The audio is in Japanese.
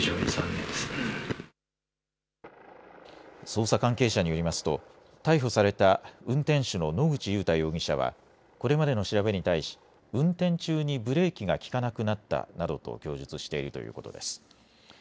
捜査関係者によりますと逮捕された運転手の野口祐太容疑者はこれまでの調べに対し運転中にブレーキが利かなくなったなどと供述しているということです。